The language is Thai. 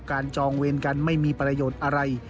จองเวรกันไม่มีประโยชน์อะไร